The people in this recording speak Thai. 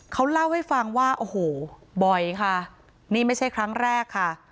เขาเล่าให้ฟังว่าโอ้โหบ่อยค่ะนี่ไม่ใช่ครั้งแรกค่ะ